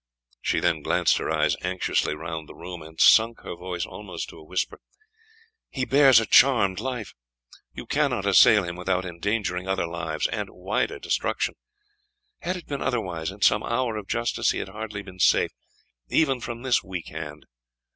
She then glanced her eyes anxiously round the room, and sunk her voice almost to a whisper "He bears a charmed life; you cannot assail him without endangering other lives, and wider destruction. Had it been otherwise, in some hour of justice he had hardly been safe, even from this weak hand.